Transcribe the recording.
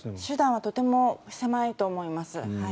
手段はとても狭いと思います。